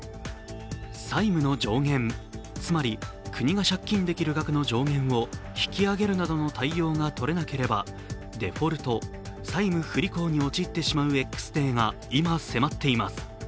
債務の上限、つまり国が借金できる額の上限を引き上げるなどの対応がとれなければデフォルト＝債務不履行に陥ってしまうＸデーが今、迫っています。